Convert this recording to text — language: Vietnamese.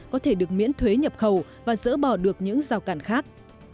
có thể được miễn thuế nhập khẩu và dỡ bỏ được những rào cản khác